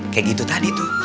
kayak gitu tadi tuh